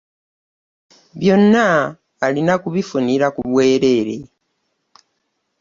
Byonna alina kubifunira ku bwereere.